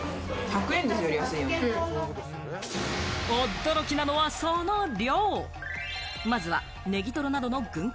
驚きなのは、その量！